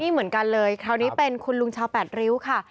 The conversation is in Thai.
นี่เหมือนกันเลยคราวนี้เป็นคุณลุงชาวแปดริ้วค่ะ